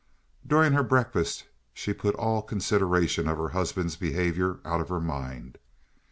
During her breakfast she put all consideration of her husband's behaviour out of her mind.